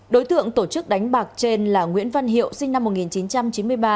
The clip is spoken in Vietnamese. đối tượng tổ chức đánh bạc trên là nguyễn văn hiệu sinh năm một nghìn chín trăm chín mươi ba